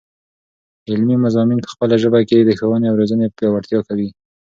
علمي مضامین په خپله ژبه کې، د ښوونې او روزني پیاوړتیا قوي.